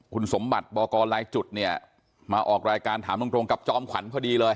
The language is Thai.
คุณสมบัติบอกกรลายจุดเนี่ยมาออกรายการถามตรงกับจอมขวัญพอดีเลย